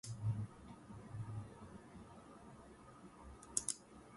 It is not appropriate to use "down with" in this context.